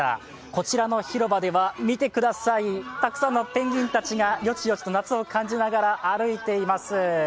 こちらの広場では見てください、たくさんのペンギンたちがよちよちと夏を感じながら歩いています。